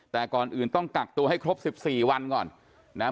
แต่ก่อนอื่นต้องกักตัวให้ครบ๑๔วันก่อนนะฮะ